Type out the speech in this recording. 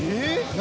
何？